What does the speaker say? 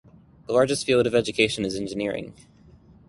The largest field of education is Engineering.